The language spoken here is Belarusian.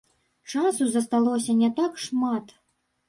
Часу засталося не так шмат.